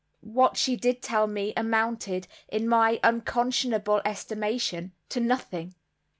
What she did tell me amounted, in my unconscionable estimation—to nothing.